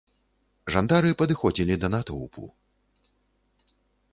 Жандары падыходзілі да натоўпу.